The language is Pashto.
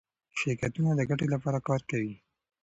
شرکتونه د ګټې لپاره کار کوي.